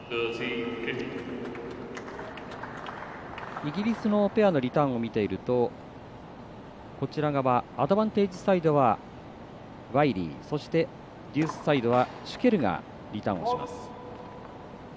イギリスのペアのリターンを見ているとアドバンテージサイドはワイリーそして、デュースサイドはシュケルがリターンをします。